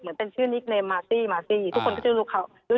เหมือนเป็นชื่อนิกเนมมาสตี้ทุกคนก็จะรู้จักเขาในนามมาสตี้